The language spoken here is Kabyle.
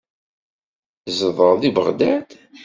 Tzedɣeḍ deg Beɣdad?